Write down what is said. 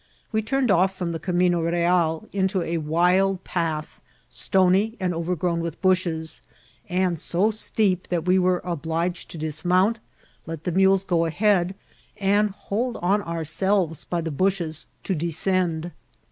We turned off from the eamino real into a wild path, stony, and over grown with bushes, and so steep that we were obliged to dismount, let the mules go ahead, and hold on our selves by the bushes to descend.